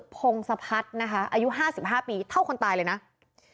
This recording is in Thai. พงสภัษฐนะคะอายุห้าสิบห้าปีเท่าคนตายแล้วครับ